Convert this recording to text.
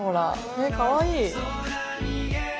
えっかわいい。